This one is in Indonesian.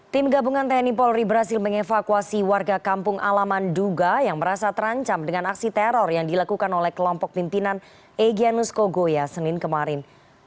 tim gabungan tni polri berhasil mengevakuasi warga kampung alaman duga yang merasa terancam dengan aksi teror yang dilakukan oleh kelompok pimpinan egyanus kogoya senin kemarin